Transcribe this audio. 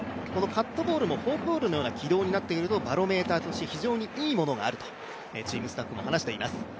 カットボールもフォークボールのような軌道になっているバロメーターとして非常にいいものがあるとチームスタッフも話しています。